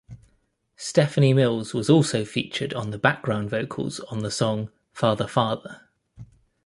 Stephanie Mills was also featured on background vocals on the song "Father, Father".